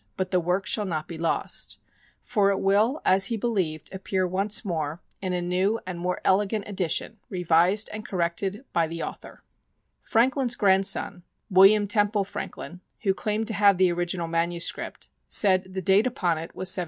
But the work shall not be lost; For it will (as he believed) appear once more In a new and more elegant edition Revised and corrected by The Author Franklin's grandson, William Temple Franklin, who claimed to have the original Ms, said the date upon it was 1728.